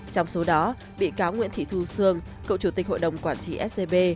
trong số đó bị cáo nguyễn thị thu sương cựu chủ tịch hội đồng quản trị scb